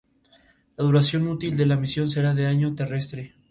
La duración útil de la misión será de un año terrestre.